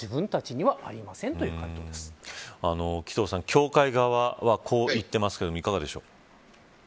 教会側は、こう言ってますがいかがでしょう。